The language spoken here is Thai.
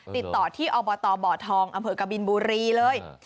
ติดต่อที่อตบทองอกบุรีเลย